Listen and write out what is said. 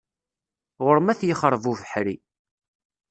Ɣur-m ad t-yexreb ubeḥri.